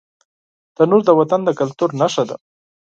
تنور د وطن د کلتور نښه ده